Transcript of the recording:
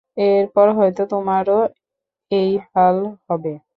এরপর হয়তো তোমারও এই হাল হবে।